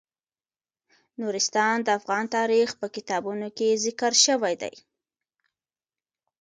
نورستان د افغان تاریخ په کتابونو کې ذکر شوی دي.